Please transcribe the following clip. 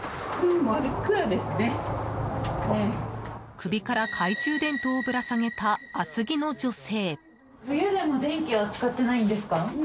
首から懐中電灯をぶら下げた厚着の女性。